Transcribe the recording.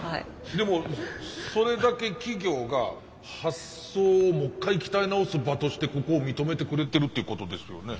でもそれだけ企業が発想をもっかい鍛え直す場としてここを認めてくれてるってことですよね。